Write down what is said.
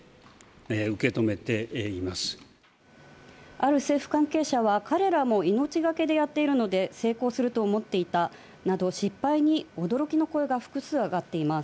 ある政府関係者は、彼らも命懸けでやっているので成功すると思っていたなど失敗に驚きの声が複数上がっています。